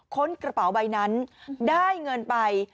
ค้นกระเป๋าใบนั้นได้เงินไป